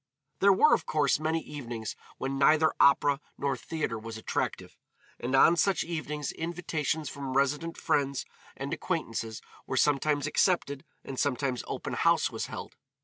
There were, of course, many evenings when neither opera nor theatre was attractive, and on such evenings invitations from resident friends and acquaintances were sometimes accepted and sometimes open house was held.